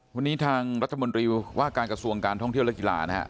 วันนี้ทางรัฐมนตรีว่าการกระทรวงการท่องเที่ยวและกีฬานะฮะ